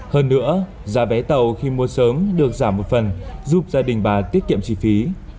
hơn nữa giá vé tàu khi mua sớm được giảm một phần giúp gia đình bà tiết kiệm chi phí